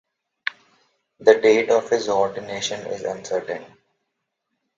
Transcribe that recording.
The date of his ordination is uncertain.